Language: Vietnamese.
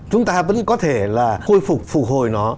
chúng ta vẫn có thể là khôi phục phục hồi nó